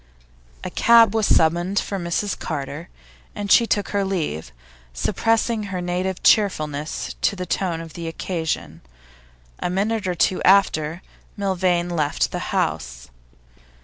A cab was summoned for Mrs Carter, and she took her leave, suppressing her native cheerfulness to the tone of the occasion. A minute or two after, Milvain left the house.